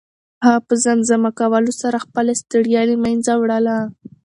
هغه په زمزمه کولو سره خپله ستړیا له منځه وړله.